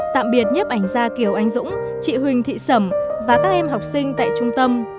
tạm biệt nhấp ảnh gia kiều anh dũng chị huỳnh thị sầm và các em học sinh tại trung tâm